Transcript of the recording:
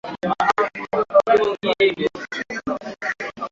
Mifugo mingine inayoathirika na ugonjwa wa kuoza kwato ni kondoo na mbuzi